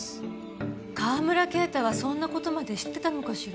川村啓太はそんな事まで知ってたのかしら？